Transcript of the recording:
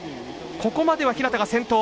ここまでは日向が先頭。